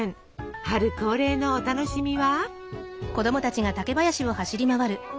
春恒例のお楽しみは？